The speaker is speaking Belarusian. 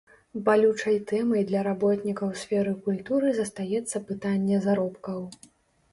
Балючай тэмай для работнікаў сферы культуры застаецца пытанне заробкаў.